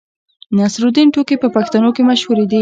د نصرالدین ټوکې په پښتنو کې مشهورې دي.